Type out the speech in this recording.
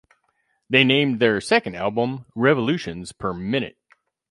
They named their second album "Revolutions Per Minute".